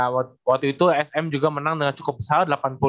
waktu itu sm juga menang dengan cukup besar delapan puluh lima enam puluh tujuh